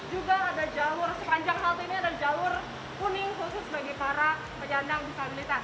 juga ada jalur sepanjang halte ini ada jalur kuning khusus bagi para penyandang disabilitas